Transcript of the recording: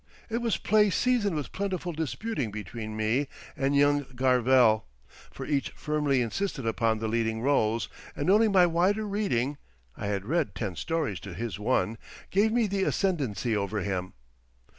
It was play seasoned with plentiful disputing between me and young Garvell, for each firmly insisted upon the leading rôles, and only my wider reading—I had read ten stories to his one—gave me the ascendency over him.